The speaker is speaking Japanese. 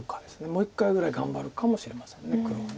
もう１回ぐらい頑張るかもしれません黒は。